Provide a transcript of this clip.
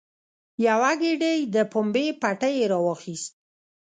یوه ګېډۍ د پمبې پټی یې راواخیست.